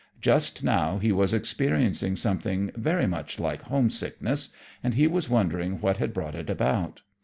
Just now he was experiencing something very much like homesickness, and he was wondering what had brought it about.